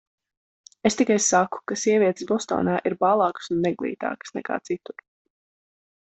Es tikai saku, ka sievietes Bostonā ir bālākas un neglītākas nekā citur.